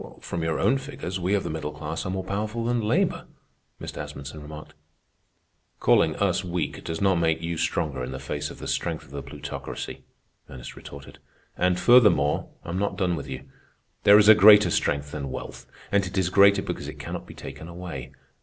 "From your own figures, we of the middle class are more powerful than labor," Mr. Asmunsen remarked. "Calling us weak does not make you stronger in the face of the strength of the Plutocracy," Ernest retorted. "And furthermore, I'm not done with you. There is a greater strength than wealth, and it is greater because it cannot be taken away.